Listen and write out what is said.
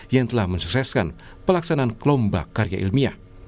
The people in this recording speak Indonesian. yang telah mensukseskan pelaksanaan lomba karya ilmiah